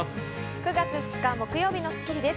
９月２日、木曜日の『スッキリ』です。